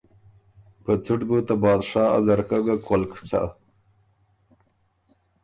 په څُټ بُو ته بادشاه ا ځرکۀ ګه کولک سۀ۔